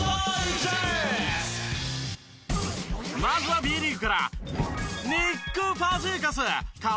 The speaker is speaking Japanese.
まずはＢリーグから。